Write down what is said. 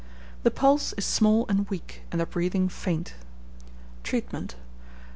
The pulse is small and weak, and the breathing faint. Treatment.